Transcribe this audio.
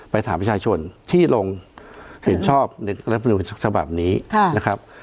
ไปถามประชาชนที่ลงเห็นชอบสบับนี้ค่ะนะครับ